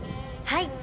はい。